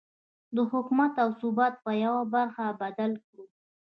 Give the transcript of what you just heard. د حکومت او ثبات په يوه برخه بدل کړو.